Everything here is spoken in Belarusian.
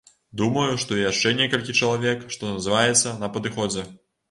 Думаю, што і яшчэ некалькі чалавек, што называецца, на падыходзе.